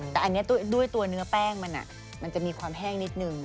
แต่อันนี้ด้วยตัวเนื้อแป้งมันมันจะมีความแห้งนิดนึง